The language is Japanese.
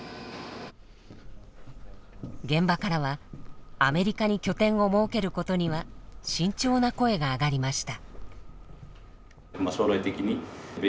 現場からはアメリカに拠点を設けることには慎重な声が上がりました。